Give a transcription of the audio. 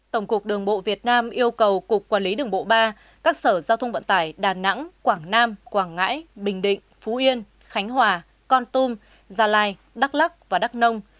tổng cục đường bộ việt nam yêu cầu cục quản lý đường bộ ba các sở giao thông vận tải đà nẵng quảng nam quảng ngãi bình định phú yên khánh hòa con tum gia lai đắk lắc và đắk nông